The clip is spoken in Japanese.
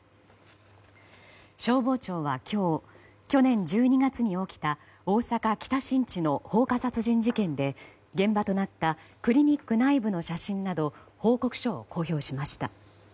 消防庁は今日去年１２月に起きた大阪・北新地の放火殺人事件で現場となったクリニック内部の写真など報告書を公表しました。